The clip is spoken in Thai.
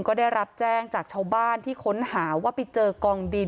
ก็ได้รับแจ้งจากชาวบ้านที่ค้นหาว่าไปเจอกองดิน